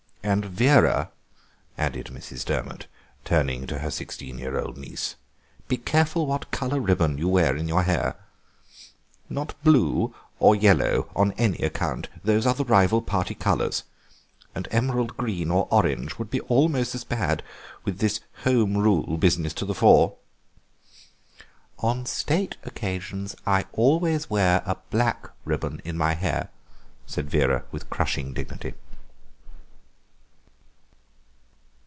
And Vera," added Mrs. Durmot, turning to her sixteen year old niece, "be careful what colour ribbon you wear in your hair; not blue or yellow on any account; those are the rival party colours, and emerald green or orange would be almost as bad, with this Home Rule business to the fore." "On state occasions I always wear a black ribbon in my hair," said Vera with crushing dignity.